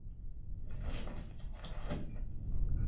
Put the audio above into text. El actor regresará en el papel de Valentine McKee.